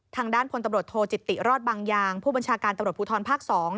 ทางด้านพลตำรวจโทจิติรอดบางยางผู้บัญชาการตำรวจภูทรภาค๒